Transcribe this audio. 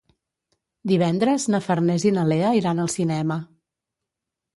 Divendres na Farners i na Lea iran al cinema.